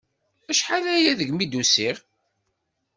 Acḥal-aya degmi d-usiɣ.